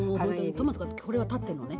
トマトがこれは立ってんのね？